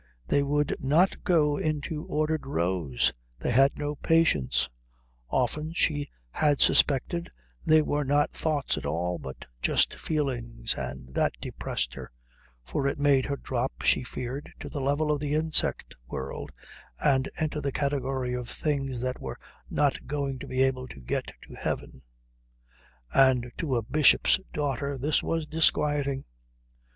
They would not go into ordered rows. They had no patience. Often she had suspected they were not thoughts at all but just feelings, and that depressed her, for it made her drop, she feared, to the level of the insect world and enter the category of things that were not going to be able to get to heaven; and to a bishop's daughter this was disquieting.